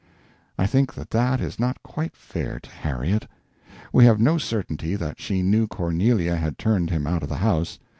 I think that that is not quite fair to Harriet. We have no certainty that she knew Cornelia had turned him out of the house.